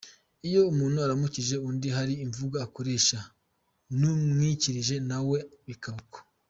Iyo umuntu aramukije undi hari imvugo akoresha n’umwikirije na we bikaba uko.